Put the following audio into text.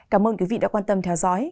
cảm ơn quý vị đã quan tâm theo dõi